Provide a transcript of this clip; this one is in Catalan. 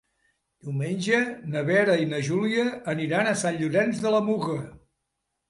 Diumenge na Vera i na Júlia aniran a Sant Llorenç de la Muga.